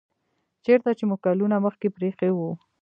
چیرته چې مو کلونه مخکې پریښی و